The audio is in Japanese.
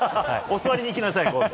教わりに行きなさい。